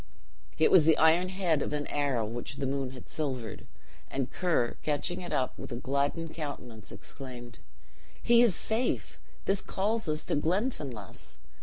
It was the iron head of an arrow which the moon had silvered; and Ker, catching it up, with a gladdened countenance exclaimed, "He is safe! this calls us to Glenfinlass."